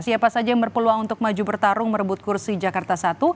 siapa saja yang berpeluang untuk maju bertarung merebut kursi jakarta satu